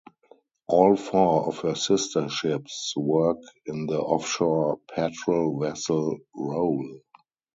All four of her sister ships work in the offshore patrol vessel role.